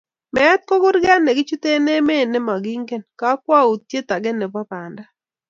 Meet ko kurgeet ne kichute emet ne makinge, kokwoutiet age nebo banda.